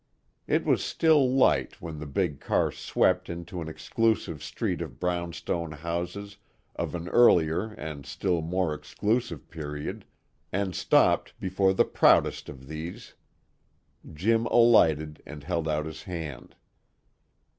It was still light when the big car swept into an exclusive street of brownstone houses of an earlier and still more exclusive period, and stopped before the proudest of these. Jim alighted and held out his hand.